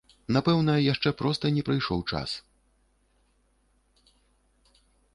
Напэўна, яшчэ проста не прыйшоў час.